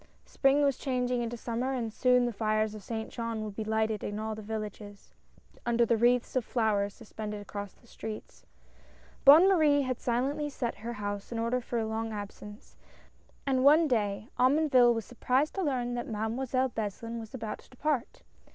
Spring was changing into Summer, and soon the fires of Saint Jean would be lighted in all the villages, under the wreaths of flowers suspended across the streets. Bonne Marie had silently set her house in order for a long absence, and one day Omonville was surprised to learn that Mademoiselle Beslin was about to depart.